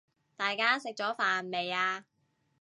大家食咗飯未呀？